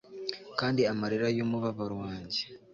kandi amarira yumubabaro wanjye